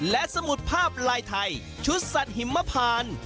และสมุดภาพลายไทยชุดสัตว์หิมพาน